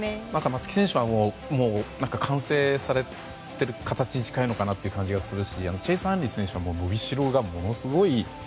松木選手はもう完成されている形に近いのかなという感じがするしチェイス・アンリ選手は伸びしろがものすごい。